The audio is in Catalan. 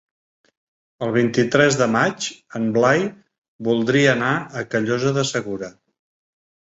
El vint-i-tres de maig en Blai voldria anar a Callosa de Segura.